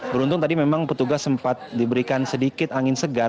beruntung tadi memang petugas sempat diberikan sedikit angin segar